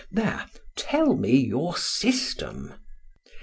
There, tell me your system."